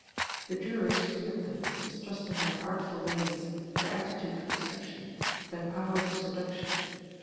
The jurors feared them, distrusting their artful ways, their aptitude for deception, their powers of seduction.